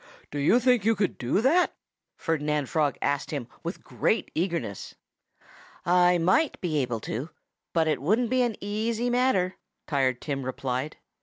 "Do you think you could do that?" Ferdinand Frog asked him with, great eagerness. "I might be able to; but it wouldn't be an easy matter," Tired Tim replied.